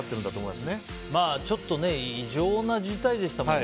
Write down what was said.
まあ、ちょっと異常な事態でしたものね。